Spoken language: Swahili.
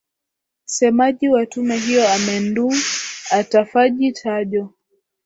semaji wa tume hiyo amendu atafaji tajo